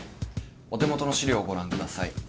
お手元の資料をご覧ください。